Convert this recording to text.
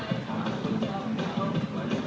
เตะแต่ว่าเตะยังไม่๑๕รูป